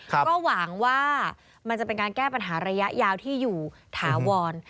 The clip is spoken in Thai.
ก็หวังว่ามันจะเป็นการแก้ปัญหาระยะยาวที่อยู่ถาวร